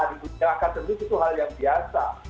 dibujakan tentu itu hal yang biasa